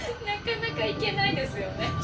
なかなか行けないですよね。